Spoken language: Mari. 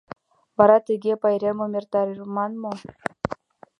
Вара тыге пайремым эртарыман мо?